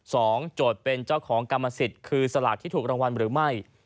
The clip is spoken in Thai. โจทย์เป็นเจ้าของกรรมสิทธิ์คือสลากที่ถูกรางวัลหรือไม่